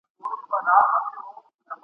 نه مو زخم ته مرهم دي پیدا کړي ..